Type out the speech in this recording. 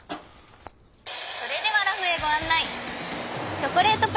「それではらふへご案内」。